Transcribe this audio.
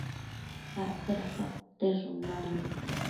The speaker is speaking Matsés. acte dada poteshun naumbi